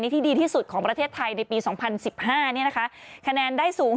ที่ดีที่สุดของประเทศไทยในปี๒๐๑๕คะแนนได้สูง